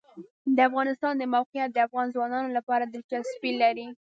د افغانستان د موقعیت د افغان ځوانانو لپاره دلچسپي لري.